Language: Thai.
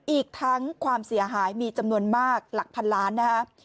อีกทั้งความเสียหายมีจำนวนมากหลักพันล้านนะครับ